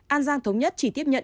an giang thống nhất chỉ tiếp nhận